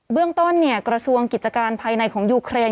เรื่องต้นกระทรวงกิจการภายในของยูเครน